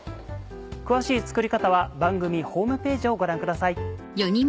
詳しい作り方は番組ホームページをご覧ください。